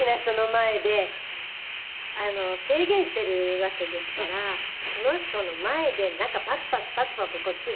制限してるわけですからその人の前でなんかパクパクパクパクこっちが。